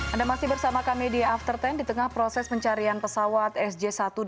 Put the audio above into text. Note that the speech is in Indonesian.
anda masih bersama kami di after sepuluh di tengah proses pencarian pesawat sj satu ratus delapan puluh